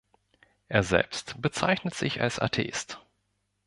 Er selbst bezeichnet sich als Atheist.